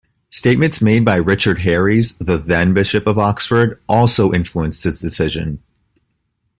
Statements made by Richard Harries, the then-Bishop of Oxford also influenced his decision.